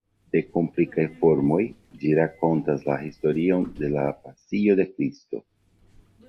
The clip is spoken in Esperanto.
De komplikaj formoj, ĝi rakontas la historion de la Pasio de Kristo.